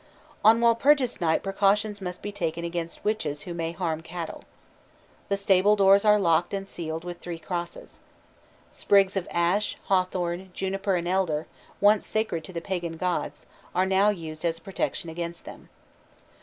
On Walpurgis Night precaution must be taken against witches who may harm cattle. The stable doors are locked and sealed with three crosses. Sprigs of ash, hawthorn, juniper, and elder, once sacred to the pagan gods, are now used as a protection against them.